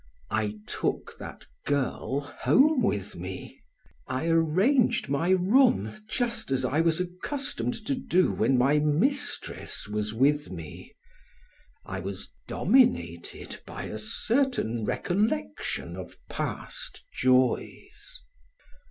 I took that girl home with me, I arranged my room just as I was accustomed to do when my mistress was with me. I was dominated by a certain recollection of past joys.